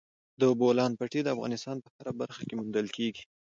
د بولان پټي د افغانستان په هره برخه کې موندل کېږي.